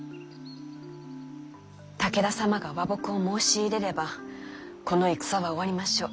武田様が和睦を申し入れればこの戦は終わりましょう。